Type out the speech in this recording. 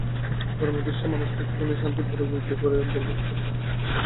গরমে অতিষ্ঠ মানুষকে একটুখানি শান্তির পরশ দিতে পারে ফেলে দেওয়া প্লাস্টিকের বোতল।